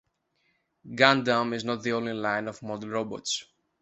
Gundam is not the only line of model robots.